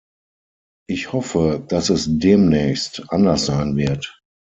Ich hoffe, dass es demnächst anders sein wird.